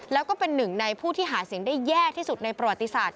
แล้วก็เป็นหนึ่งในผู้ที่หาเสียงได้แย่ที่สุดในประวัติศาสต